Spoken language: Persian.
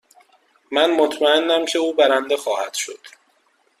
من مطمئنم که او برنده خواهد شد.